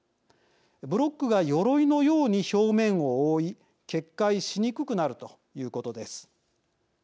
ブロックがよろいのように表面を覆い決壊しにくくなるということです。